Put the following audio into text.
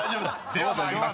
［では参ります。